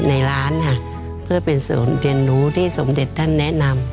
ในร้านค่ะเพื่อเป็นศูนย์เรียนรู้ที่สมเด็จท่านแนะนำ